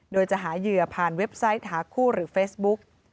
โดยจะหาเหยื่อผ่านเว็บไซต์หาคู่หรือเฟซบุ๊ก